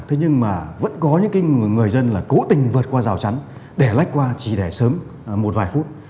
thế nhưng mà vẫn có những người dân là cố tình vượt qua rào chắn để lách qua chỉ để sớm một vài phút